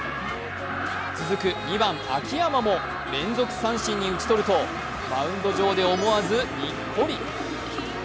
続く２番・秋山も連続三振に打ち取るとマウンド上で思わずにっこり。